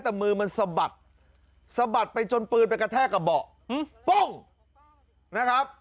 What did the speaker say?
แต่มือมันสะบัดสะบัดไปจนปืนไปกระแทกกับเบาะปุ้งนะครับ